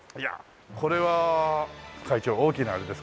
これは会長大きなあれですか？